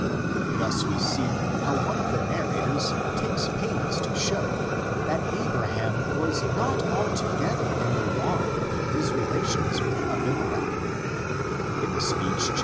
Thus we see how one of the narrators takes pains to show that Abraham was not altogether in the wrong in his relations with Abimelech (in the speech, xxi.